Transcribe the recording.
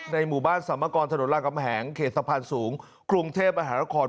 ในหมู่บ้านสามกรถนนล่างกำแหงเกษตรภัณฑ์สูงคลุงเทพฯอาหารละคร